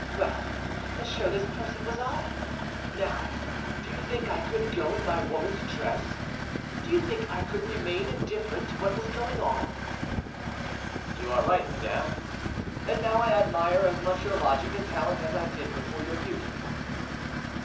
Well, monsieur, this person was I. Now, do you think I could go in my woman's dress? Do you think I could remain indifferent to what was going on?" "You are right, madame; and now I admire as much your logic and talent as I did before your beauty."